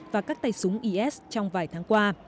và các tay súng is trong vài tháng qua